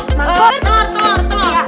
telur telur telur